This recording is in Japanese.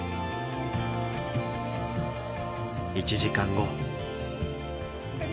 １時間後。